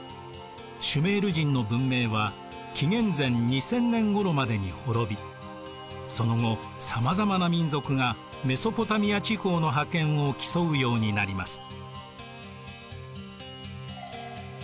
シュメール人の文明は紀元前２０００年ごろまでに滅びその後さまざまな民族がメソポタミア地方の覇権を競うようになります。